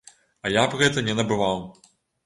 А я б гэта не набываў!